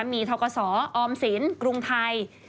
มีเทาขสออมศิลป์กรุงไทย